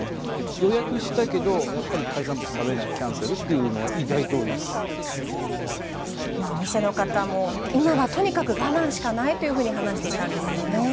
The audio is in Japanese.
予約したけど、やっぱり海産物食べない、キャンセルっていうのは、意外と多いでお店の方も、今はとにかく我慢しかないというふうに話していたんですよね。